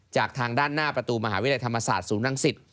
จากทางด้านหน้าประตูมหาวิทยาลัยธรรมศาสตร์ศูนย์รังสิต